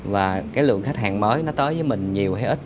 và cái lượng khách hàng mới nó tới với mình nhiều hay ít